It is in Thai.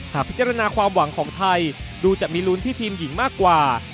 พิจารณาความหวังของไทยดูจะมีลุ้นที่ทีมหญิงมากกว่า